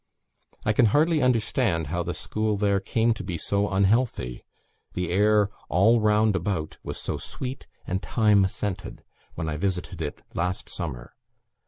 I can hardly understand how the school there came to be so unhealthy, the air all round about was so sweet and thyme scented, when I visited it last summer.